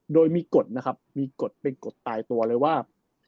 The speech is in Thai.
โดยมีกฎนะครับมีกฎเป็นกฎตายตัวเลยว่า